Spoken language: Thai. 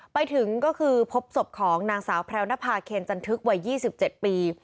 ไปถึงก็คือพบศพของนางสาวแพรวนภาเคนจันทึกวัย๒๗ปี